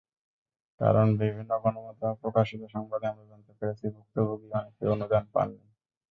কারণ বিভিন্ন গণমাধ্যমে প্রকাশিত সংবাদে আমরা জানতে পেরেছি, ভুক্তভোগী অনেকেই অনুদান পাননি।